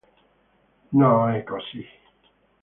No, è così!